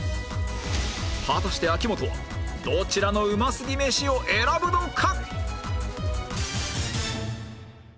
果たして秋元はどちらの美味すぎメシを選ぶのか？